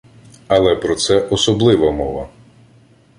Але про це особлива мова